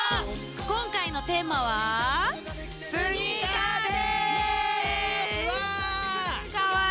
今回のテーマはわあ！